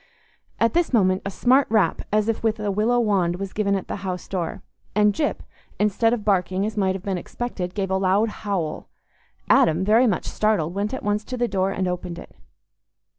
At this moment a smart rap, as if with a willow wand, was given at the house door, and Gyp, instead of barking, as might have been expected, gave a loud howl. Adam, very much startled, went at once to the door and opened it.